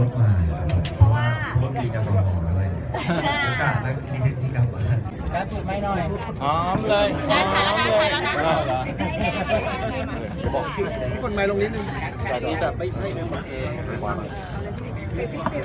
คนไหมลงนี้หนึ่งแต่มีแบบไม่ใช่ความ